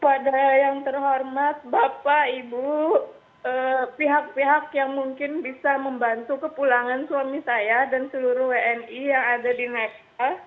kepada yang terhormat bapak ibu pihak pihak yang mungkin bisa membantu kepulangan suami saya dan seluruh wni yang ada di next